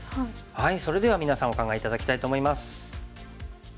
それでは皆さんお考え頂きたいと思います。